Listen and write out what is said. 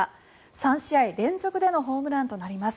３試合連続でのホームランとなります。